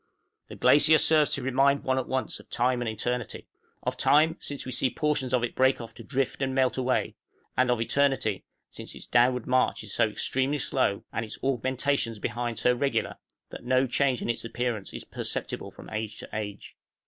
The glacier serves to remind one at once of Time and of Eternity of time, since we see portions of it break off to drift and melt away; and of eternity, since its downward march is so extremely slow, and its augmentations behind so regular, that no change in its appearance is perceptible from age to age.